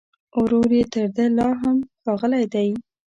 ورور يې تر ده لا هم ښاغلی دی